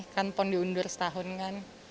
kan pon diundur setahun kan